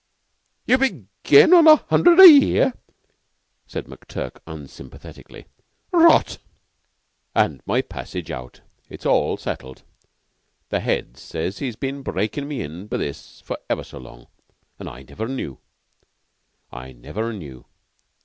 "You begin on a hundred a year?" said McTurk unsympathetically. "Rot!" "And my passage out! It's all settled. The Head says he's been breaking me in for this for ever so long, and I never knew I never knew.